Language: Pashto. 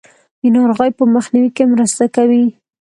د ناروغیو په مخنیوي کې مرسته کوي.